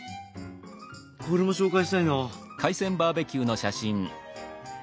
これも紹介したいな。